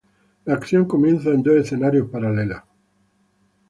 La acción comienza en dos escenarios paralelos.